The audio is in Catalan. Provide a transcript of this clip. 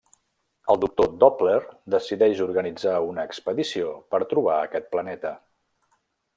El doctor Doppler decideix organitzar una expedició per trobar aquest planeta.